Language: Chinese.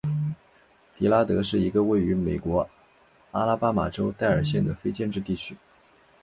迪拉德是一个位于美国阿拉巴马州戴尔县的非建制地区。